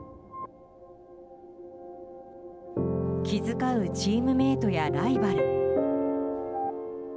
気遣うチームメートやライバル。